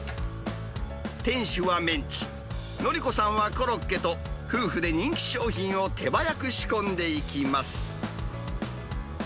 店主はメンチ、法子さんはコロッケと、夫婦で人気商品を手早く仕込んでいきます。